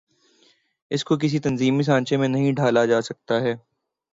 اس کو کسی تنظیمی سانچے میں نہیں ڈھا لا جا سکتا ہے۔